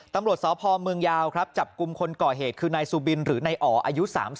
ตำรวจสพเมืองยาวครับจับกลุ่มคนก่อเหตุคือนายซูบินหรือนายอ๋ออายุ๓๐